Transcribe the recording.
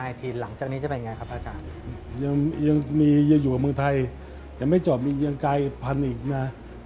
ยังอยู่กับเมืองไทยยังไม่จบยังกลายพันอีกนะ